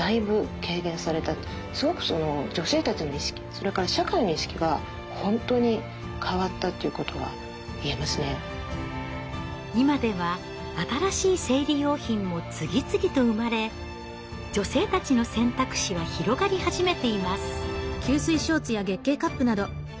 ですから今では新しい生理用品も次々と生まれ女性たちの選択肢は広がり始めています。